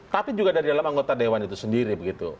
tapi juga dari dalam anggota dewan itu sendiri begitu